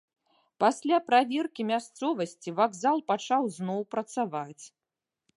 Пасля праверкі мясцовасці вакзал пачаў зноў працаваць.